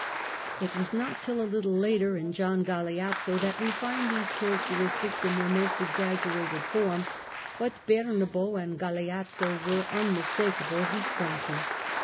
It was not till a Httle later in Gian Galeazzo that we find these characteristics in their most exaggerated form, but Bernabo and Galeazzo were unmistakable Visconti.